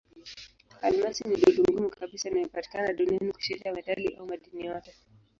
Almasi ni dutu ngumu kabisa inayopatikana duniani kushinda metali au madini yote.